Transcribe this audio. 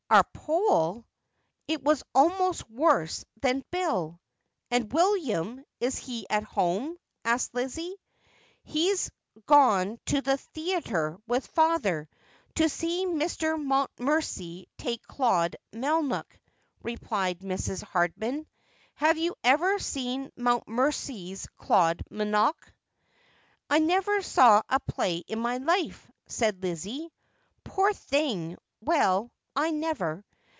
Our Poll ! It was almost worse than 'Bill.' ' And William, is he at home 1 ' asked Lizzie. 'He's o one to the theayter, with, father, to see Mr. Mount 326 Just as I Am. merency take Claude Melnock,' replied Mrs. Hardman. ' Have you ever seen Mour.tmerency's Claude Melnock I' ' I never saw a play in my life,' said Lizzie. ' Poor thing ! Well, I never